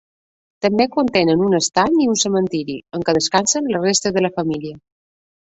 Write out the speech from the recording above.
També contenen un estany, i un cementiri en què descansen les restes de la família.